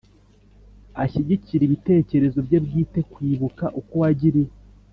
ashyigikire ibitekerezo bye bwite Kwibuka uko wagiriwe